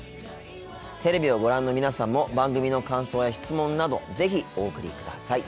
テレビをご覧の皆さんも番組の感想や質問など是非お送りください。